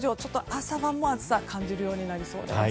朝晩も暑さを感じるようになりそうです。